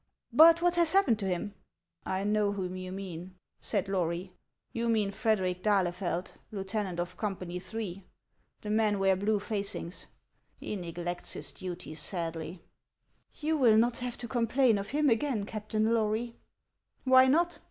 But what has happened to him ?" '•1 know whom you mean," said Lory; "you mean Frederic d'Ahlefeld, lieutenant of Company Three. The men wear blue facings. He neglects his duty sadly." " You will not have to complain of him again, Captain Lory." " Why not